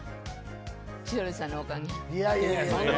千鳥さんのおかげ。